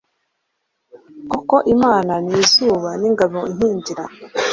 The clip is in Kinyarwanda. Koko Imana ni izuba n’ingabo inkingira